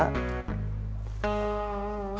itu mah masalah kejiwaan dah